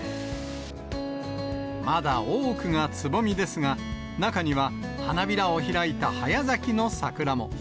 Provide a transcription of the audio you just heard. まだ多くがつぼみですが、中には花びらを開いた早咲きの桜も。